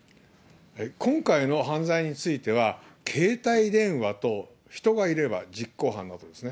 今回の犯罪については、携帯電話と人がいれば、実行犯なんですね。